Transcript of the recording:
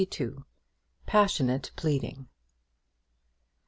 PASSIONATE PLEADING.